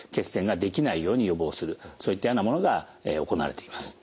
そういったようなものが行われています。